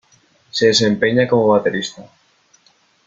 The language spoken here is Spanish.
Se desempeña como baterista.